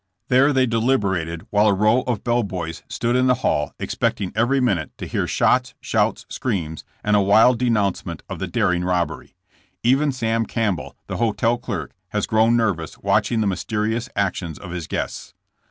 There they deliberated while a row of bell boys stood in the hall expecting every minute to hear shots, shouts, screams and a wild denouement of the daring robbery. Even Sam Campbell, the hotel clerk, has grown nervous watching the myste rious actions of his guests.